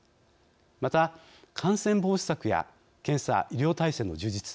また、感染防止策や検査・医療体制の充実